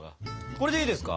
これでいいですか？